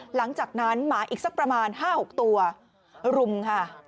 หลังจากนั้นหมาอีกสักประมาณ๕๖ตัวรุมค่ะ